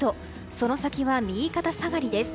その先は右肩下がりです。